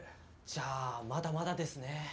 じゃあまだまだですね。